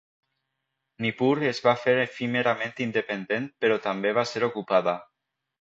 Nippur es va fer efímerament independent però també va ser ocupada.